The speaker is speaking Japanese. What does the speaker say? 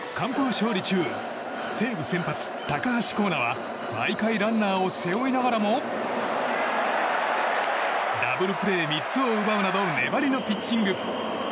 勝利中西武先発、高橋光成は毎回ランナーを背負いながらもダブルプレー３つを奪うなど粘りのピッチング。